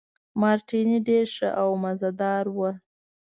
مارټیني ډېر ښه او مزه دار وو.